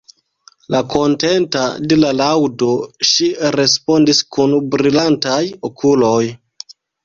Kontenta de la laŭdo, ŝi respondis kun brilantaj okuloj: